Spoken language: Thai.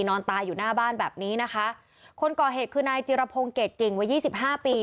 นอนตายอยู่หน้าบ้านแบบนี้นะคะคนก่อเหตุคือนายจิรพงศ์เกรดกิ่งวัยยี่สิบห้าปี